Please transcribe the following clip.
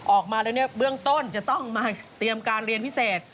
ออกมาแล้วเนี่ยเบื้องต้นจะต้องมาเตรียมการเรียนพิเศษ